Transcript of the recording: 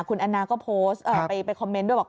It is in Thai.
คุณแอนนาก็โพสต์ไปคอมเมนต์ด้วยบอก